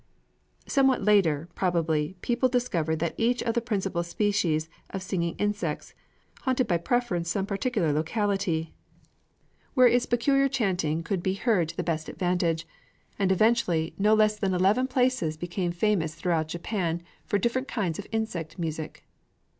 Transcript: Somewhat later, probably, people discovered that each of the principal species of singing insects haunted by preference some particular locality, where its peculiar chanting could be heard to the best advantage; and eventually no less than eleven places became famous throughout Japan for different kinds of insect music.